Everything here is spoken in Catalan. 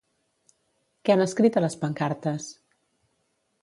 Què han escrit a les pancartes?